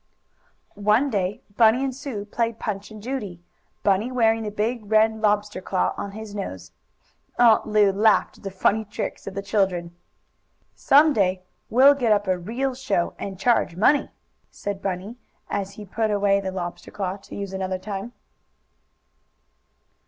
One day Bunny and Sue played Punch and Judy, Bunny wearing the big red lobster claw on his nose. Aunt Lu laughed at the funny tricks of the children. "Some day we'll get up a real show, and charge money," said Bunny, as he put away the lobster claw to use another time.